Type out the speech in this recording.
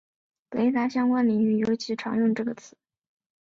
雷达相关领域尤其常用这个词。